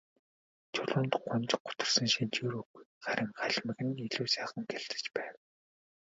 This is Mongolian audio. Чулуунд гуньж гутарсан шинж ер үгүй, харин халимаг нь илүү сайхан гялалзаж байв.